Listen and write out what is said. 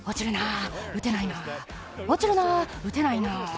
落ちるな、打てないな。